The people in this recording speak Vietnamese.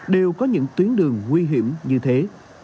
đều có những tuyến đường nguy hiểm như thế